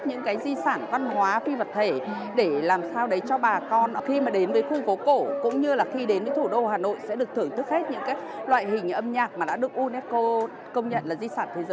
những loại hình âm nhạc mà đã được unesco công nhận là di sản thế giới